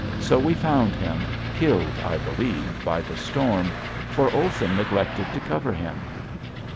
So we found him, killed, I believe, by the storm, for Olson neglected to cover him.